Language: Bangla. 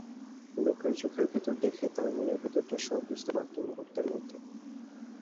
লোকের চোখের ভেতর দেখে তার মনের ভেতরটা সব বুঝতে পারতুম মুহূর্তের মধ্যে।